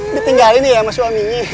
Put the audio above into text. ditinggalin dia sama suaminya